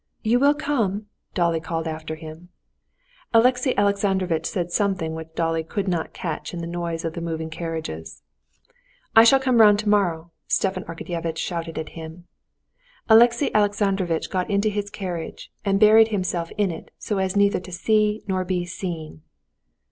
"You will come?" Dolly called after him. Alexey Alexandrovitch said something which Dolly could not catch in the noise of the moving carriages. "I shall come round tomorrow!" Stepan Arkadyevitch shouted to him. Alexey Alexandrovitch got into his carriage, and buried himself in it so as neither to see nor be seen.